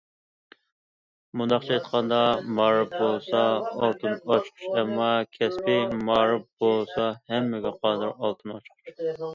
مۇنداقچە ئېيتقاندا، مائارىپ بولسا ئالتۇن ئاچقۇچ، ئەمما كەسپىي مائارىپ بولسا ھەممىگە قادىر ئالتۇن ئاچقۇچ.